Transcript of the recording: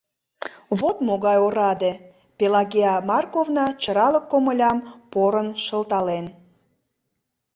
— Вот могай ораде, — Пелагея Марковна чыралык комылям порын шылтален.